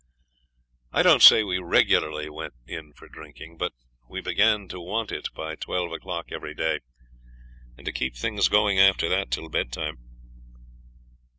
I don't say we regularly went in for drinking; but we began to want it by twelve o'clock every day, and to keep things going after that till bedtime.